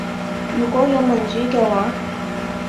如果有民主嘅話